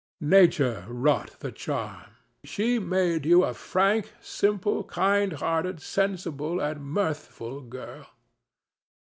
Nature wrought the charm. She made you a frank, simple, kind hearted, sensible and mirthful girl.